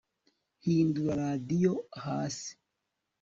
hindura radio hasi